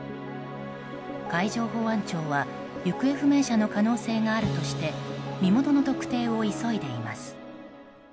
海上保安庁は行方不明者の可能性があるとして身元の特定を急いでいます。